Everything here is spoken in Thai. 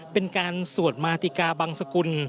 เป็นการสวดมาติกาบังสกุล